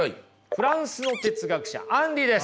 フランスの哲学者アンリです。